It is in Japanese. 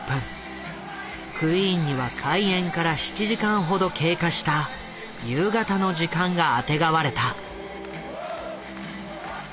クイーンには開演から７時間ほど経過した夕方の時間があてがわれた。